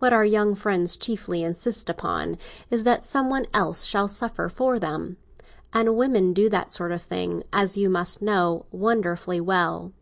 What our young friends chiefly insist upon is that some one else shall suffer for them; and women do that sort of thing, as you must know, wonderfully well."